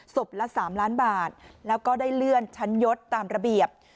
ละ๓ล้านบาทแล้วก็ได้เลื่อนชั้นยศตามระเบียบ